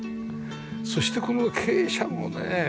そしてこの傾斜もね